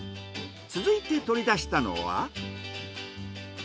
続いて取り出したのは。